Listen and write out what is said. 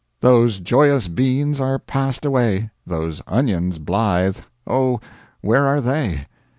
Those joyous beans are passed away; Those onions blithe, O where are they?